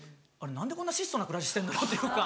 何でこんな質素な暮らししてるんだろうっていうか。